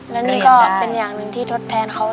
และนี่ก็เป็นอย่างหนึ่งที่ทดแทนเขา